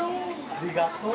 ありがとう。